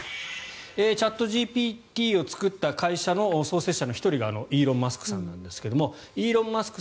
チャットＧＰＴを作った会社の創設者の１人がイーロン・マスクさんなんですがイーロン・マスク